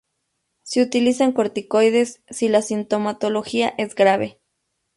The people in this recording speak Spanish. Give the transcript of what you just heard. Se utilizan corticoides si la sintomatología es grave.